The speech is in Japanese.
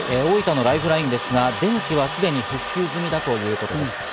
大分のライフラインですが、電気はすでに復旧済みだということです。